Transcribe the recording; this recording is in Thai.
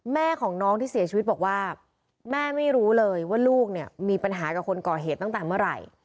แม่ของน้องที่เสียชีวิตบอกว่าแม่ไม่รู้เลยว่าลูกเนี่ยมีปัญหากับคนก่อเหตุตั้งแต่เมื่อไหร่